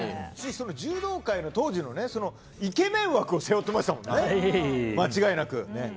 柔道界の当時のイケメン枠を背負ってましたもんね間違いなく。